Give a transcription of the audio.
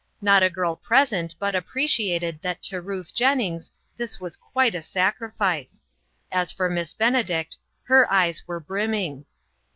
Not a girl present but appreciated that to Ruth Jennings this was quite a sacrifice. As for Miss Benedict, her eyes were brimming.